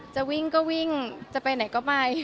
จะวิ่งก็วิ่งจะไปไหนก็ไป